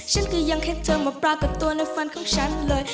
ฉันก็ยังเห็นเธอมาปรากฏตัวในฟันของฉันเลย